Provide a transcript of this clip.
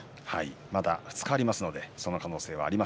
まだ２日ありますのでその可能性があります